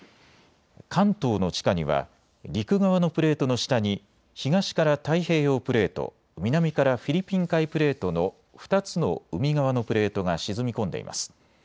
関東の地下には陸側のプレートの下に東から太平洋プレート、南からフィリピン海プレートの２つの海側のプレートが沈み込んでいます。